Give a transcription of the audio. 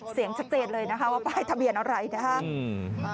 เสียงชัดเจนเลยนะคะว่าป้ายทะเบียนอะไรนะครับ